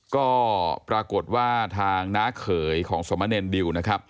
ก็ปรากฏว่าทางน้าเขยของสมเนรดิวนะครับ